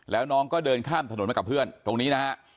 แล้วน้องก็เดินข้ามถนนมากับเพื่อนตรงนี้นะฮะ